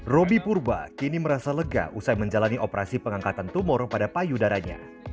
robby purba kini merasa lega usai menjalani operasi pengangkatan tumor pada payudaranya